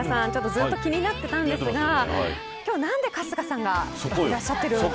ずっと気になってたんですが今日は何で春日さんがいらっしゃっているのか。